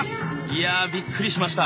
いやびっくりしました！